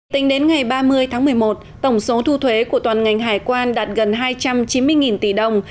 tính đến ngày ba mươi tháng một mươi một tổng số thu thuế của toàn ngành hải quan đạt gần hai trăm chín mươi tỷ đồng